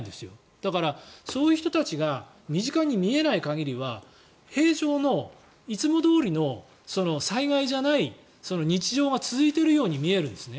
だから、そういう人たちが身近に見えない限りは平常の、いつもどおりの災害じゃない日常が続いているように見えるんですね。